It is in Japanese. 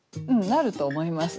なると思いますね。